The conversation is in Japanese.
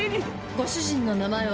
ご主人の名前は？